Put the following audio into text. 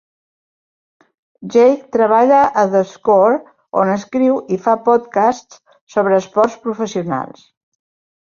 Jake treballa a The Score, on escriu i fa podcasts sobre esports professionals.